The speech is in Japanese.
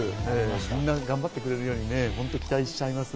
みんな頑張ってくれるように本当に期待しちゃいます。